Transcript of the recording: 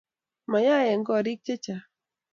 mayae eng korik chechang